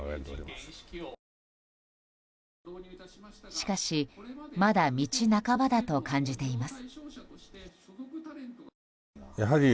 しかしまだ道半ばだと感じています。